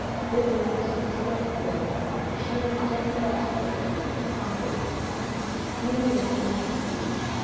This message distressed Minnie for she was just about to go to see Mrs. Hargrave. Minnie was not happy.